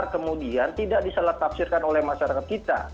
kemudian tidak disalah tafsirkan oleh masyarakat kita